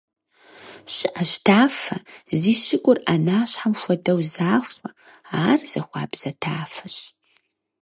ЩыӀэщ тафэ, зи щыгур Ӏэнащхьэм хуэдэу захуэ; ар захуабзэ тафэщ.